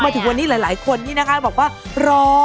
มาถึงวันนี้หลายคนที่ว่ารอ